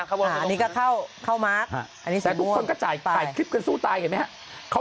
อันนี้ก็เข้ามาร์คแต่ทุกคนก็จ่ายคลิปกันสู้ตายเห็นไหมครับ